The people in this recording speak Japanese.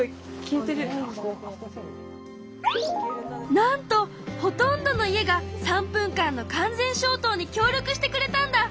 なんとほとんどの家が３分間の完全消灯に協力してくれたんだ！